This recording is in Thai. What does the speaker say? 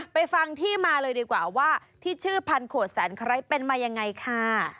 ไปฟังที่มาเลยดีกว่าว่าที่ชื่อพันขวดแสนไคร้เป็นมายังไงค่ะ